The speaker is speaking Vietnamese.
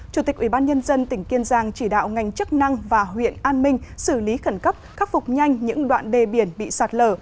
chủ tịch ubnd tỉnh kiên giang chỉ đạo ngành chức năng và huyện an minh xử lý khẩn cấp khắc phục nhanh những đoạn đê biển bị sạt lở